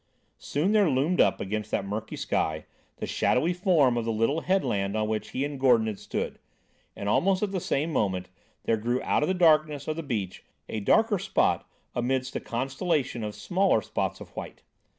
Soon there loomed up against the murky sky the shadowy form of the little headland on which he and Gordon had stood; and, almost at the same moment, there grew out of the darkness of the beach a darker spot amidst a constellation of smaller spots of white.